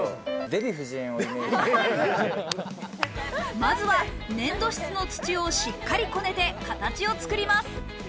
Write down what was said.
まずは粘土質の土をしっかりこねて形を作ります。